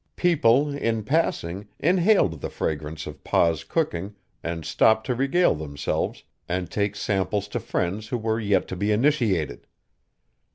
People, in passing, inhaled the fragrance of Pa's cooking and stopped to regale themselves and take samples to friends who were yet to be initiated.